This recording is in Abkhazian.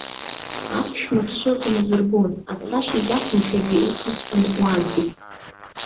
Аԥшәма дшыҟамыз рбон, ацашьа изақәымшәазеи урҭ усҟан уантәи?